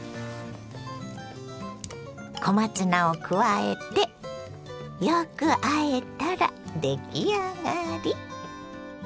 小松菜を加えてよくあえたら出来上がり。